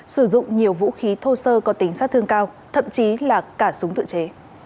sử dụng nhiều vũ khí thô sơ có tính sát thương cao thậm chí là cả súng tự chế